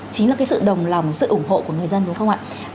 chính là cái sự đồng lòng sự ủng hộ của người dân đúng không ạ